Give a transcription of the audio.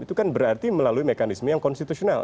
itu kan berarti melalui mekanisme yang konstitusional